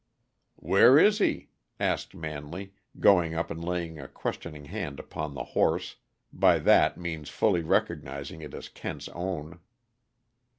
"Where is he?" asked Manley, going up and laying a questioning hand upon the horse, by that means fully recognizing it as Kent's own.